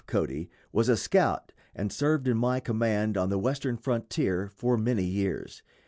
Cody was a scout and served in my command on the Western frontier for many years.